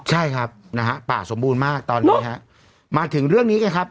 ใช่ครับนะฮะป่าสมบูรณ์มากตอนนี้ฮะมาถึงเรื่องนี้กันครับ